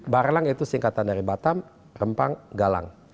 barlang itu singkatan dari batam rempang galang